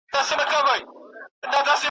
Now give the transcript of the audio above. که ویلې دي سندري غر به درکړي جوابونه .